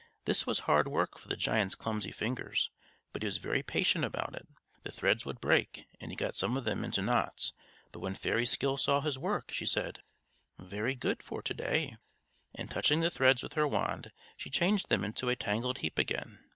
This was hard work for the giant's clumsy fingers, but he was very patient about it. The threads would break, and he got some of them into knots; but when Fairy Skill saw his work, she said: "Very good for to day;" and touching the threads with her wand, she changed them into a tangled heap again.